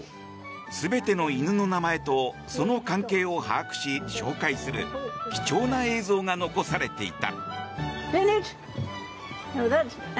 全ての犬の名前とその関係を把握し紹介する貴重な映像が残されていた。